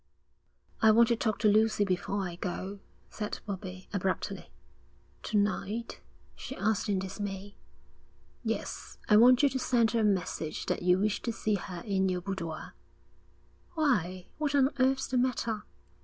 'I want to talk to Lucy before I go,' said Bobbie, abruptly. 'To night?' she asked in dismay. 'Yes, I want you to send her a message that you wish to see her in your boudoir.' 'Why, what on earth's the matter?'